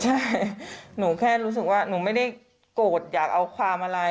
ใช่หนูแค่รู้สึกว่าหนูไม่ได้โกรธอยากเอาความอะไร